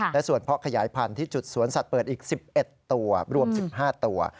และส่วนเพาะขยายพันธุ์ที่จุดสวนสัตว์เปิดอีก๑๑ตัวรวม๑๕ตัว